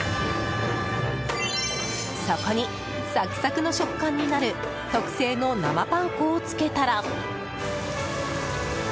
そこにサクサクの食感になる特製の生パン粉をつけたら。